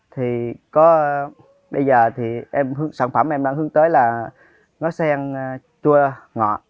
thì bây giờ sản phẩm em đang hướng tới là ngó sen chua ngọt